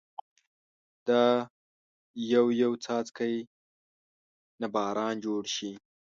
دا يو يو څاڅکي نه باران جوړ شي